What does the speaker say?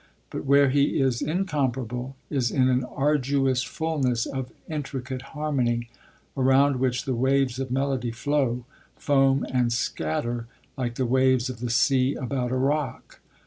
But where he is incomparable is in an 'arduous fulness' of intricate harmony, around which the waves of melody flow, foam and scatter like the waves of the sea about a rock.